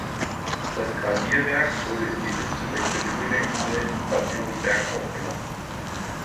Das Gradierwerk wurde in die Liste der Kulturdenkmale in Bad Dürrenberg aufgenommen.